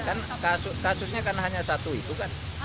kan kasusnya karena hanya satu itu kan